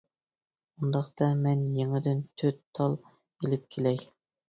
-ئۇنداقتا مەن يېڭىدىن تۆت تال ئېلىپ كېلەي.